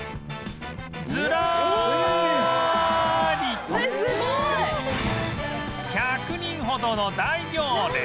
ズラリと１００人ほどの大行列